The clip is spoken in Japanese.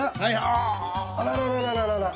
あららららららら。